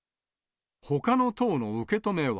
ほかの党の受け止めは。